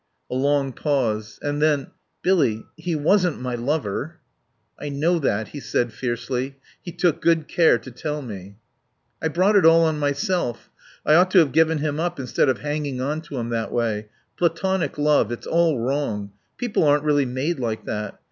A long pause. And then, "Billy he wasn't my lover." "I know that," he said fiercely. "He took good care to tell me." "I brought it all on myself. I ought to have given him up instead of hanging on to him that way. Platonic love It's all wrong. People aren't really made like that.